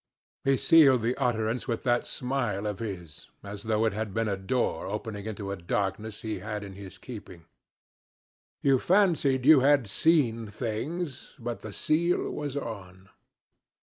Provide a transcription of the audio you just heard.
He sealed the utterance with that smile of his, as though it had been a door opening into a darkness he had in his keeping. You fancied you had seen things but the seal was on.